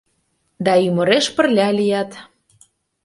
Да ÿмыреш пырля лият.